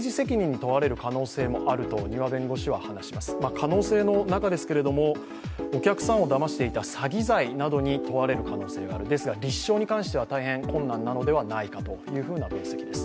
可能性の中ですけれども、お客さんをだましていた詐欺罪などに問われる可能性がある、ですが立証に関しては大変困難ではないのかという分析です。